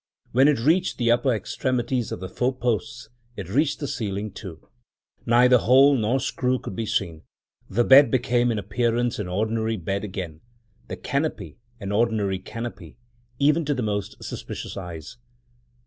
When it reached the upper extremities of the four posts, it reached the ceiling, too. Neither hole nor screw could be seen; the bed became in appearance an ordinary bed again — the canopy an ordinary canopy — even to the most suspicious eyes.